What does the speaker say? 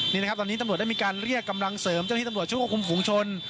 นี่นะครับตอนนี้ตำรวจได้มีการเรียกกำลังเสริมเจ้าที่ตำรวจช่วยควบคุมฝุงชน